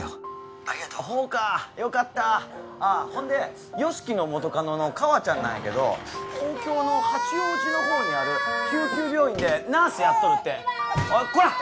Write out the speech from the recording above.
☎ありがとうほうかよかったほんで由樹の元カノのカワちゃんなんやけど東京の八王子のほうにある救急病院でナースやっとるって行ってきます